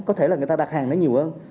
có thể là người ta đặt hàng nó nhiều hơn